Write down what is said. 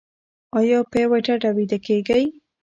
ایا په یوه ډډه ویده کیږئ؟